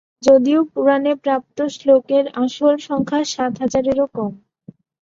যদিও পুরাণে প্রাপ্ত শ্লোকের আসল সংখ্যা সাত হাজারেরও কম।